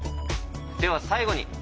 では最後に。